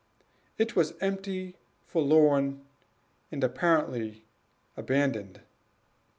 It was empty, forlorn, and apparently abandoned.